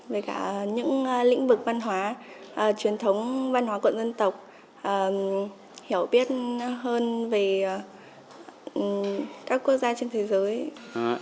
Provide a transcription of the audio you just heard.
với cả những lĩnh vực văn hóa truyền thống văn hóa của dân tộc hiểu biết hơn về các quốc gia trên thế giới